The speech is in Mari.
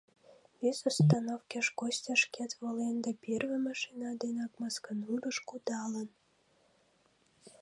Вес остановкеш Костя шкет волен да первый машина денак Масканурыш кудалын.